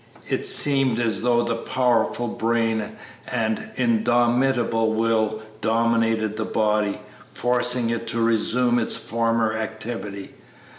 It seemed as though the powerful brain and indomitable will dominated the body, forcing it to resume its former activity.